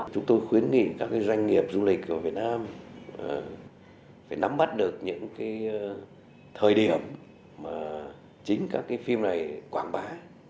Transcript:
chúng tôi khuyến nghị các cái doanh nghiệp du lịch của việt nam phải nắm bắt được những cái thời điểm mà chính các cái phim này quảng bá